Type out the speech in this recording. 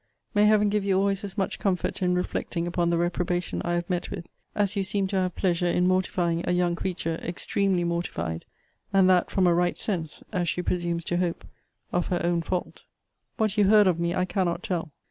May Heaven give you always as much comfort in reflecting upon the reprobation I have met with, as you seem to have pleasure in mortifying a young creature, extremely mortified; and that from a right sense, as she presumes to hope, of her own fault! What you heard of me I cannot tell.